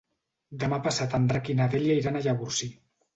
Demà passat en Drac i na Dèlia iran a Llavorsí.